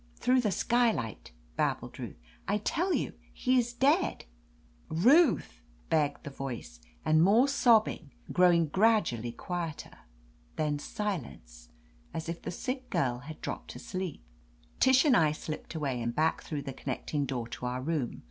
' "Through the skylight!" babbled Ruth. "I tell you, he is dead !" "Ruth !" begged the voice, and more sob bing, growing gradually quieter. Then silence, as if the sick girl had dropped asleep. Tish and I slipped away, and back through the connecting door to our room.